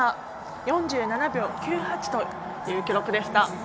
４７秒９８という記録でした。